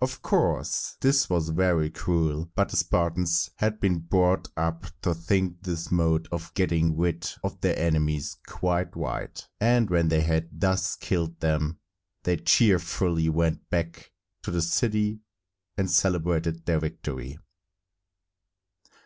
Of course, this was very cruel, but the Spartans had been brought up to think this mode of getting rid of their enemies quite right; and when they had thus killed them, they cheerfully went back to the city and celebrated their victory.